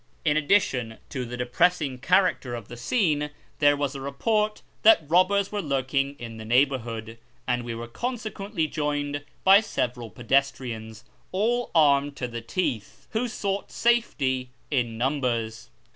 In addition to the depressing character of the scene, there was a report that robbers were lurking in the neighbour hood, and we were consequently joined by several pedestrians, all armed to the teeth, who sought safety in numbers.